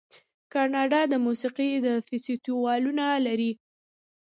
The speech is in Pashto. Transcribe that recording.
کاناډا د موسیقۍ فستیوالونه لري.